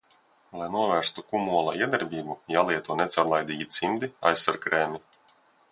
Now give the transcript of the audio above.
Lai novērstu kumola iedarbību, jālieto necaurlaidīgi cimdi, aizsargkrēmi.